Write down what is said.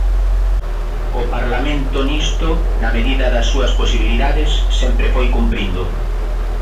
O Parlamento nisto, na medida das súas posibilidades, sempre foi cumprindo.